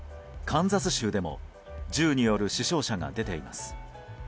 カンザス州でも銃による死傷者が出ています。